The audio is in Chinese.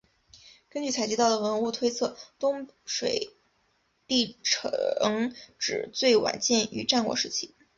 根据采集到的文物推测东水地城址最晚建于战国时期。